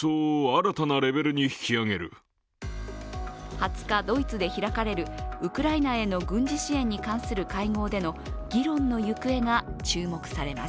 ２０日、ドイツで開かれるウクライナへの軍事支援に関する会合での議論の行方が注目されます。